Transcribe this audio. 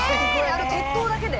あの鉄塔だけで？